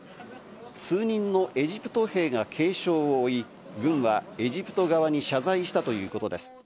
数人のエジプト兵が軽傷を負い、軍はエジプト側に謝罪したということです。